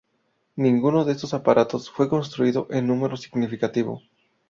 Ninguno de estos aparatos fue construido en número significativo.